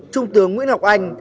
trung tướng nguyễn học anh